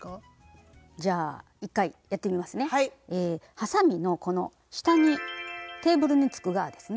はさみのこの下にテーブルにつく側ですね